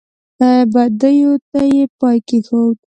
بدیو ته یې پای کېښود.